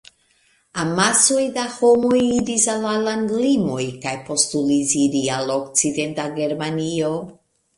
Amasoj da homoj iris al la landlimoj kaj postulis iri al okcidenta Germanio.